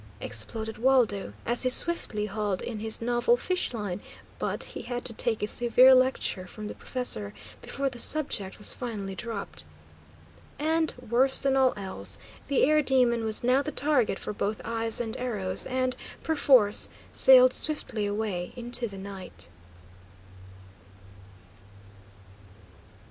exploded Waldo, as he swiftly hauled in his novel fish line; but he had to take a severe lecture from the professor before the subject was finally dropped. And, worse than all else, the air demon was now the target for both eyes and arrows, and, perforce, sailed swiftly away into the night.